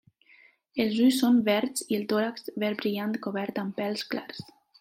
Els ulls són verds i el tòrax verd brillant cobert amb pèls clars.